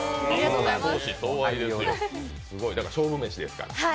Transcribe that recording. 勝負めしですから。